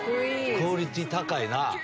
クオリティー高いな。